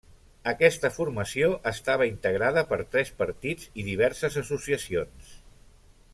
Aquesta formació estava integrada per tres partits i diverses associacions.